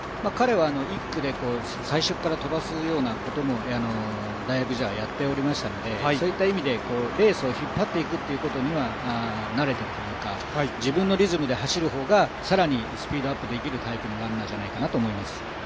彼は１区で最初から飛ばすようなことも大学時代やっておりましたので、そういう意味でレースを引っ張っていくことには慣れてるというか自分のリズムで走る方がさらにスピードアップできるタイプのランナーじゃないかなと思います。